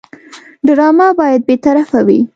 ډرامه باید بېطرفه وي